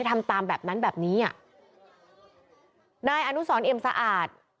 ทำตามแบบนั้นแบบนี้อ่ะนายอนุสรเอ็มสะอาด